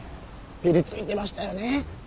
ピリついてましたよね。